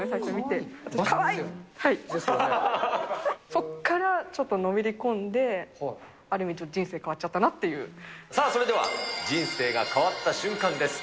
そこからちょっとのめり込んで、ある意味ちょっと人生変わっさあ、それでは人生が変わった瞬間です。